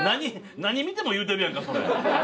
何見ても言うてるやんかそれ。